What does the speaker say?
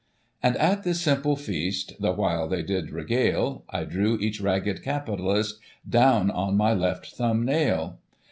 "And at this simple feast. The while they did regale, I drew each ragged capitalist Down on my left thumb nail.